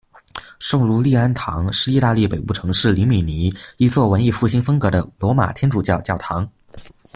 圣儒利安堂是意大利北部城市里米尼一座文艺复兴风格的罗马天主教教堂。